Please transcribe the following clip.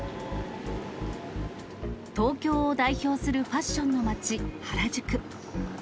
東京を代表するファッション